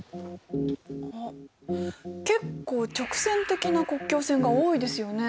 結構直線的な国境線が多いですよね。